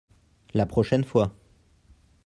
La pochaine fois.